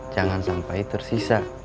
jangan sampai tersisa